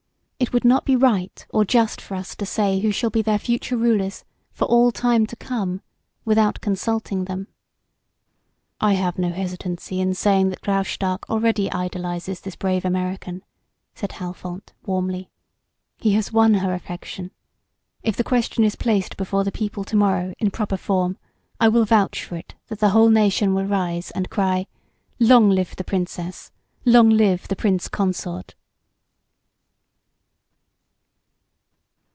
It would not be right or just for us to say who shall be their future rulers, for all time to come, without consulting them." "I have no hesitancy in saying that Graustark already idolizes this brave American," said Halfont, warmly. "He has won her affection. If the question is placed before the people to morrow in proper form, I will vouch for it that the whole nation will rise and cry: 'Long live the Princess! Long live the Prince Consort!'"